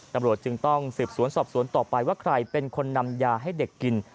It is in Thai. ตำรวจจึงต้องสืบสวนสอบสวนต่อไปว่าใครเป็นคนนำยาให้เด็กกิน